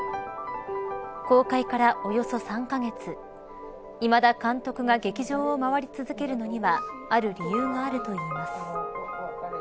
公開からおよそ３カ月いまだ監督が劇場を回り続けるのにはある理由があるといいます。